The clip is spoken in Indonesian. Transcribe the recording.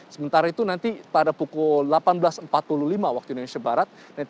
sementara itu nanti pada pukul delapan belas empat puluh lima waktu indonesia barat